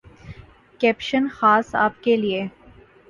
caption خاص آپ کے لیے